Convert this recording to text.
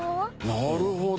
なるほど。